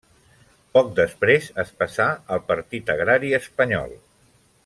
Poc després es passà al Partit Agrari Espanyol.